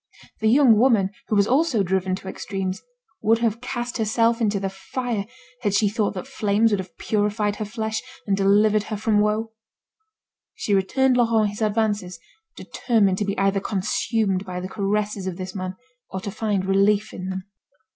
The young woman, who was also driven to extremes, would have cast herself into the fire had she thought that flames would have purified her flesh, and delivered her from her woe. She returned Laurent his advances, determined to be either consumed by the caresses of this man, or to find relief in them.